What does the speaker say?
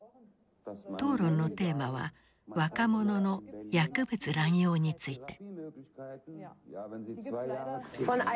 討論のテーマは若者の薬物乱用について。